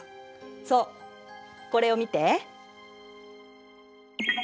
そうこれを見て。